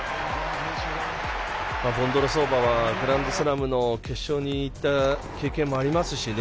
ボンドロウソバはグランドスラムの決勝に行った経験もありますしね。